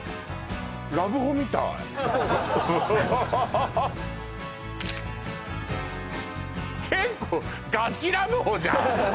ラブホみたいそうそう結構ガチラブホじゃん！